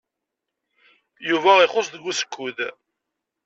Yuba ixuṣṣ deg usekkud.